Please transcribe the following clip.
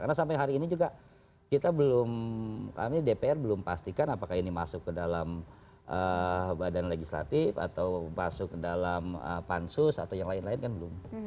karena sampai hari ini juga kita belum kami dpr belum pastikan apakah ini masuk ke dalam badan legislatif atau masuk ke dalam pansus atau yang lain lain kan belum